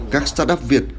các start up việt